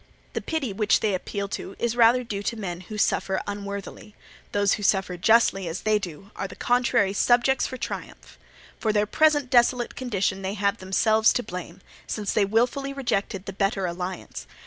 The pity which they appeal to is rather due to men who suffer unworthily; those who suffer justly as they do are on the contrary subjects for triumph. For their present desolate condition they have themselves to blame, since they wilfully rejected the better alliance.